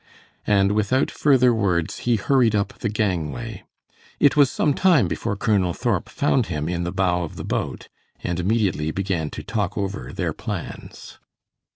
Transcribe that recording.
And without further words, he hurried up the gangway. It was some time before Colonel Thorp found him in the bow of the boat, and immediately began to talk over their plans.